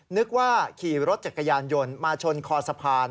นึกว่าขี่รถจักรยานยนต์มาชนคอสะพาน